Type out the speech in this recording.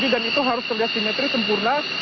dan itu harus terlihat simetri sempurna